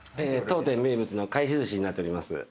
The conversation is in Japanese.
当店名物の返し寿司になっております。